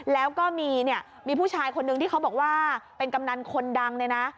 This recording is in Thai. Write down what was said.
แล้วก็มีเนี่ยมีผู้ชายคนนึงที่เขาบอกว่าเป็นกำนันคนดังเนี่ยนะ